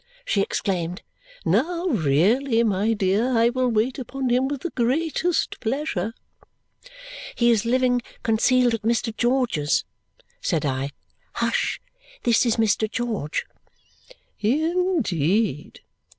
she exclaimed. "Now really! My dear, I will wait upon him with the greatest pleasure." "He is living concealed at Mr. George's," said I. "Hush! This is Mr. George." "In deed!"